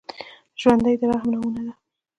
ژوندي د رحم نمونه وي